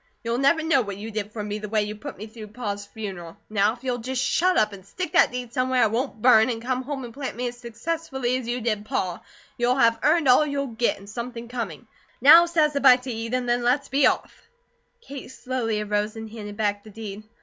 You'll never know what you did for me the way you put me through Pa's funeral; now if you'll just shut up, and stick that deed somewhere it won't burn, and come home an' plant me as successfully as you did Pa, you'll have earned all you'll get, an' something coming. Now set us out a bite to eat, and let's be off." Kate slowly arose and handed back the deed.